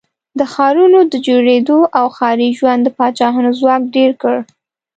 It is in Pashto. د ښارونو د جوړېدو او ښاري ژوند د پاچاهانو ځواک ډېر کړ.